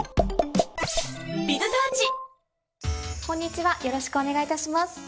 こんにちはよろしくお願いいたします。